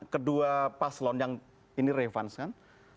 kedua paslon yang ini revans kan